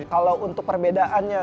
kalau untuk perbedaannya